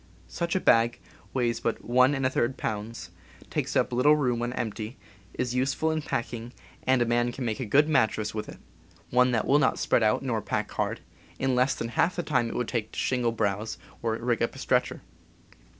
Such a bag weighs but Ij pounds, takes up little room when empty, is useful in packing, and a man can make a good mattress with it — one that will not spread out nor pack hard — in less PERSONAL KITS 25 than half the time it would take to shingle browse or rig up a stretcher.